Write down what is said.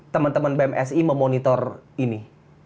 teman teman bmsi memonitor ini